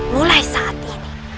mulai saat ini